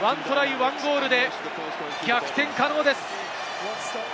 １ゴールで逆転可能です。